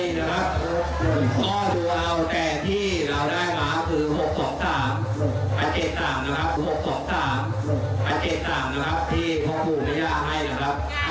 หกสองสามอันเกตต่างนะครับที่พ่อผู้มีรรยาให้นะครับ